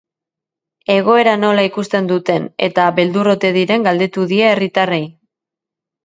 Egoera nola ikusten duten, eta beldur ote diren galdetu die herritarrei.